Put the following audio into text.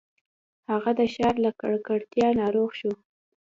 هغه د ښار له ککړتیا ناروغ شو.